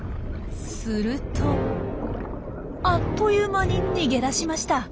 するとあっという間に逃げ出しました。